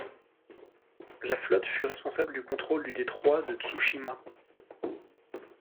La flotte fut responsable du contrôle du détroit de Tsushima.